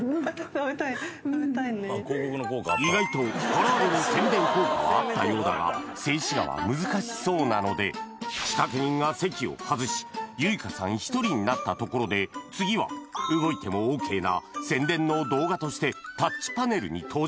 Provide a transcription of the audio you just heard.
食べたいね意外と唐揚げの宣伝効果はあったようだが静止画は難しそうなのでなったところで次は動いてもＯＫな宣伝の動画としてタッチパネルに登場